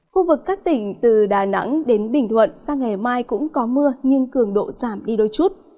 khu vực các tỉnh từ đà nẵng đến bình thuận sang ngày mai cũng có mưa nhưng cường độ giảm đi đôi chút